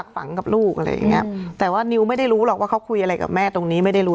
ฝังกับลูกอะไรอย่างเงี้ยแต่ว่านิวไม่ได้รู้หรอกว่าเขาคุยอะไรกับแม่ตรงนี้ไม่ได้รู้